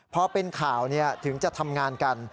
พอเป็นข่าวถึงจะทำงานกัน